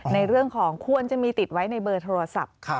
ในเรื่องของควรจะมีติดไว้ในเบอร์โทรศัพท์